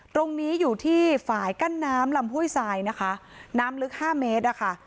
ตรงนี้อยู่ที่ฝ่ายกั้นน้ำลำห้วยทรายนะคะน้ำลึกห้าเมตรอะค่ะ